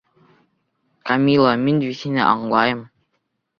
Камила, мин бит һине аңлайым.